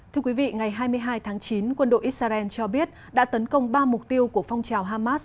thưa quý vị ngày hai mươi hai tháng chín quân đội israel cho biết đã tấn công ba mục tiêu của phong trào hamas